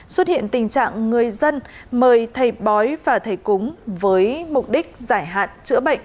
xuất hiện tình trạng người dân mời thầy bói và thầy cúng với mục đích giải hạn chữa bệnh